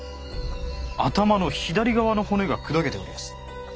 頭の左側の骨が砕けておりやす。